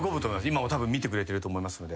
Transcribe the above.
今もたぶん見てくれてると思いますので。